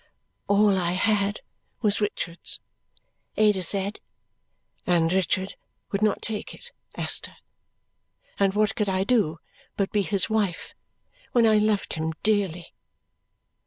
"All I had was Richard's," Ada said; "and Richard would not take it, Esther, and what could I do but be his wife when I loved him dearly!"